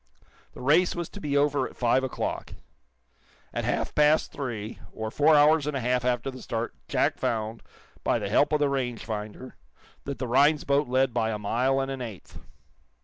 The race was to be over at five o'clock. At half past three, or four hours and a half after the start, Jack found, by the help of the rangefinder, that the Rhinds boat led by a mile and an eighth.